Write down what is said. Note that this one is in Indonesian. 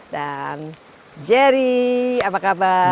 dan jerry apa kabar